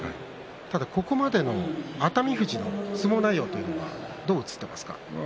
ただ、ここまでの熱海富士の相撲内容はどう映ってますか？